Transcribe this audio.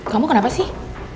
kamu kenapa sih